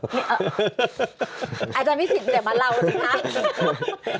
อาจารย์พี่สิทธิ์เดี๋ยวมาเล่าสิคะ